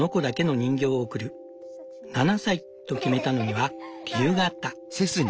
「７歳」と決めたのには理由があった。